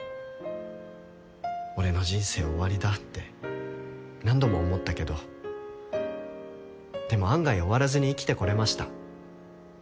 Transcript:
俺の人生終わりだって何度も思ったけどでも案外終わらずに生きてこれました。